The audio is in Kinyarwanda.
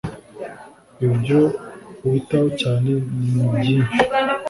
ibyo witaho cyane ni nibyinshi